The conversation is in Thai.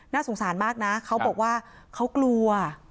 สงสารมากนะเขาบอกว่าเขากลัว